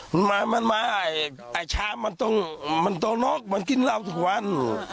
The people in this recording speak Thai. มันมามันมาไอ้ช้างมันต้องมันโตนกมันกินเหล้าทุกวัน